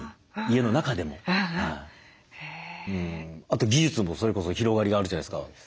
あと技術もそれこそ広がりがあるじゃないですか。